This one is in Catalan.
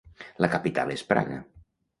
La capital és Praga.